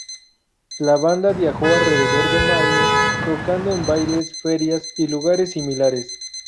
La banda viajó alrededor de Maine, tocando en bailes, ferias, y lugares similares.